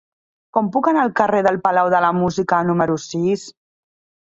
Com puc anar al carrer del Palau de la Música número sis?